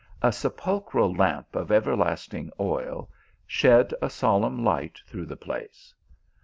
A sepul chral lamp of everlasting oil, shed a solemn light through the place.